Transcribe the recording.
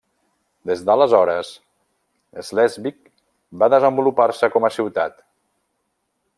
Des d'aleshores, Slesvig va desenvolupar-se com a ciutat.